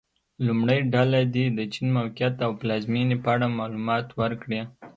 لومړۍ ډله دې د چین موقعیت او پلازمېنې په اړه معلومات ورکړي.